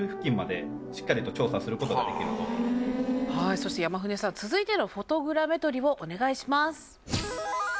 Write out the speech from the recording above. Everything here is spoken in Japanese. そして山舩さん続いてのフォトグラメトリをお願いします。